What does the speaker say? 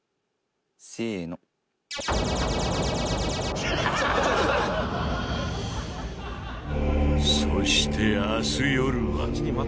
「せーの」そして明日よるは。